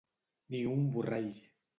Ni un borrall.